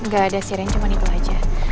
gak ada sih ren cuman itu aja